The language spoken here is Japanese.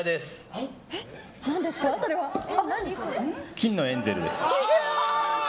金のエンゼルです。